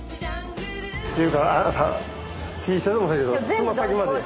ていうかあなたＴシャツもそうやけど爪先まで。